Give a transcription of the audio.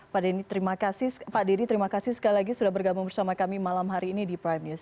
pak dedy terima kasih sekali lagi sudah bergabung bersama kami malam hari ini di prime news